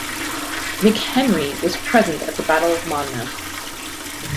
McHenry was present at the Battle of Monmouth.